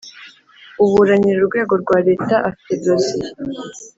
uburanira urwego rwa Leta afite dosiye.